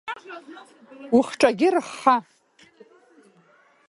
Ухҿагьы рыхха.